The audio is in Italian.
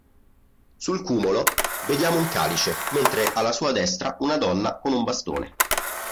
Sul cumulo vediamo un calice, mentre alla sua destra una donna con un bastone.